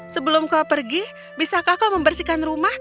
sebelum kau pergi bisakah kau membersihkan rumah